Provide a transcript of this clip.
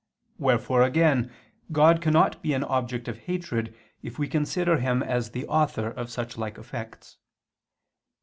Wherefore again God cannot be an object of hatred if we consider Him as the Author of such like effects.